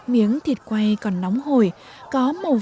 miếng thịt quay còn nóng hồi có màu vàng của bì phần mỡ ăn ngậy